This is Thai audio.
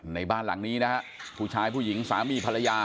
ในบ้านหลังนี้นะฮะผู้ชายผู้หญิงสามีภรรยา